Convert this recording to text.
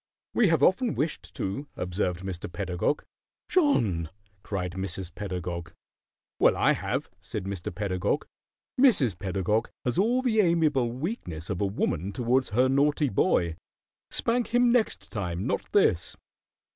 "We have often wished to," observed Mr. Pedagog. "John!" cried Mrs. Pedagog. "Well, I have," said Mr. Pedagog. "Mrs. Pedagog has all the amiable weakness of a woman towards her naughty boy. Spank him next time, not this."